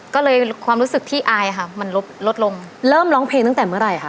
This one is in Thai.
ก็เลยความรู้สึกที่อายค่ะมันลดลดลงเริ่มร้องเพลงตั้งแต่เมื่อไหร่คะ